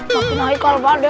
makin haikal pak deh